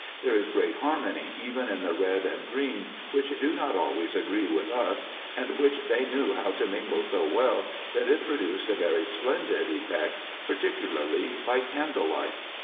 There is great harmony even in the red and green, which do not always agree with us, and which they knew how to mingle so well, that it produced a very splendid effect, particularly IN EGYPT, NUBIA, &c. 175 by candle light.